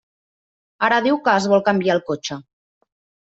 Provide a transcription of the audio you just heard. Ara diu que es vol canviar el cotxe.